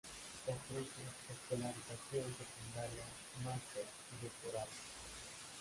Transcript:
Ofrece escolarización secundaria, "masters" y doctorados.